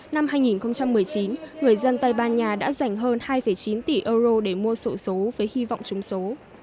năm hai nghìn một mươi chín người dân tây ban nha đã giành hơn hai chín tỷ euro để mua sổ số với hy vọng trúng số